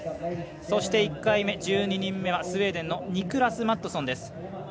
そして、１回目１２人目はスウェーデンのニクラス・マットソン。